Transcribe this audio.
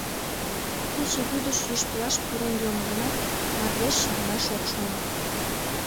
Кече вӱдыш йӱштылаш пурен йомо гынат, мардеж чарнаш ок шоно.